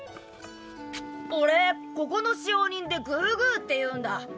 俺ここの使用人でグーグーっていうんだ。